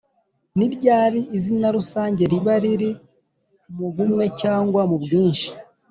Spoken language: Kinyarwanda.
ni ryari izina rusange riba riri mu bumwe cyangwa mu bwinshi?